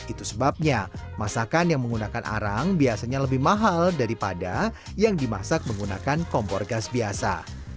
itu sebabnya masakan yang menggunakan arang biasanya lebih mahal daripada yang dimasak menggunakan kompor gas biasa